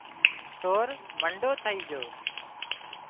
سور منڍو ٿئي جھو